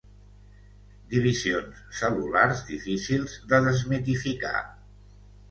Divisions cel·lulars difícils de desmitificar.